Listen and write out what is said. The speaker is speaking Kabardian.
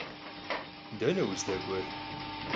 Dene vuzdek'uer?